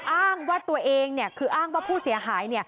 อ้างว่าตัวเองคืออ้างว่าผู้เสียหาย